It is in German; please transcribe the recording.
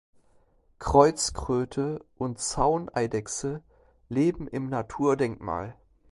Kreuzkröte und Zauneidechse leben im Naturdenkmal.